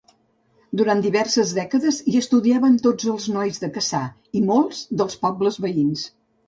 Durant diverses dècades hi estudiaven tots els nois de Cassà i molts dels pobles veïns.